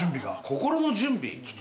心の準備？